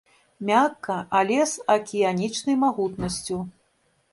Мякка, але з акіянічнай магутнасцю.